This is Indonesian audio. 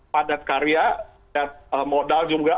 padat karya modal juga